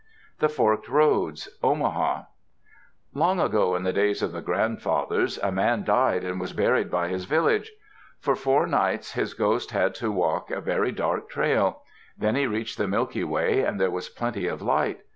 THE FORKED ROADS Omaha Long ago, in the days of the grandfathers, a man died and was buried by his village. For four nights his ghost had to walk a very dark trail. Then he reached the Milky Way and there was plenty of light.